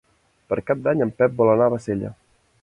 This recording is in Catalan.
Per Cap d'Any en Pep vol anar a Bassella.